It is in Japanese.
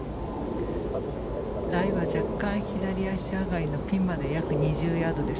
ライは若干左足上がりのピンまで約２０ヤードです。